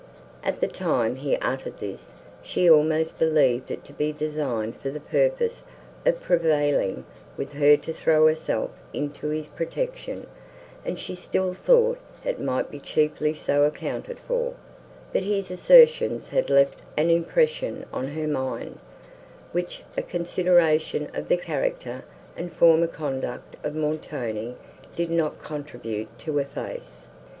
At the time he uttered this, she almost believed it to be designed for the purpose of prevailing with her to throw herself into his protection, and she still thought it might be chiefly so accounted for; but his assertions had left an impression on her mind, which a consideration of the character and former conduct of Montoni did not contribute to efface.